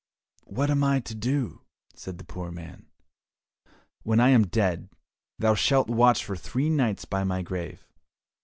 "What am I to do?" said the poor man. "When I am dead, thou shalt watch for three nights by my grave."